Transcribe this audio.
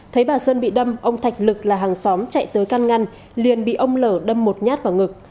thấy bà sơn bị đâm ông thạch lực là hàng xóm chạy tới căn ngăn liền bị ông lở đâm một nhát vào ngực